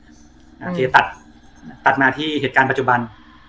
โอเคตัดตัดมาที่เหตุการณ์ปัจจุบัน